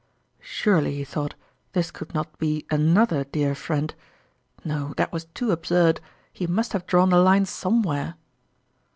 "Surely," he thought, " this could not be another dear friend ? No, (Eljirir Cheque. 69 that was too absurd lie must have drawn the line somewhere